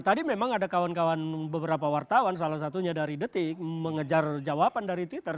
tadi memang ada kawan kawan beberapa wartawan salah satunya dari detik mengejar jawaban dari twitter